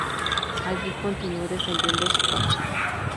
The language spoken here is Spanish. Allí, continuó defendiendo su causa.